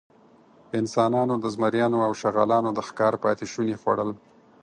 انسانانو د زمریانو او شغالانو د ښکار پاتېشوني خوړل.